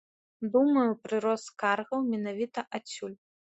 Думаю, прырост скаргаў менавіта адсюль.